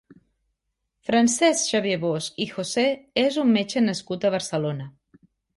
Francesc Xavier Bosch i José és un metge nascut a Barcelona.